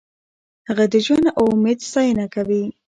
هغه د ژوند او امید ستاینه کوي.